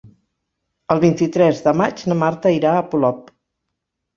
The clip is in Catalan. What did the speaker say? El vint-i-tres de maig na Marta irà a Polop.